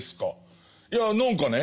いや何かね